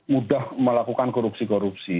mudah melakukan korupsi korupsi